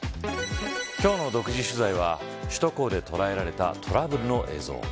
今日の独自取材は首都高で捉えられたトラブルの映像。